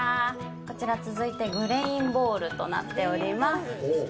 こちら続いてグレインボウルとなっております。